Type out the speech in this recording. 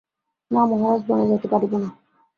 না মহারাজ, বনে যাইতে পারিব না।